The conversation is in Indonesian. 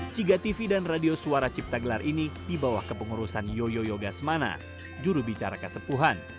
ciga tv dan radio suara ciptagelar ini di bawah kepengurusan yoyo yogasmana juru bicara kesepuhan